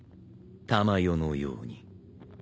珠世のように。